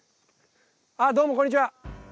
どうもこんにちは。